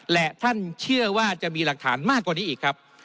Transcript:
และท่านเชื่อว่าจะมีหลักฐานมากกว่านี้อีกครับ